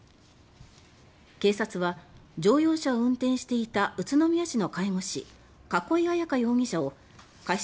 警察は乗用車を運転していた宇都宮市の介護士栫彩可容疑者を過失